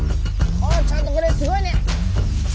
おちょっとこれすごいね！